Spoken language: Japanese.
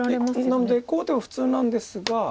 なのでこう打てば普通なんですが。